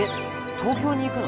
東京に行くの？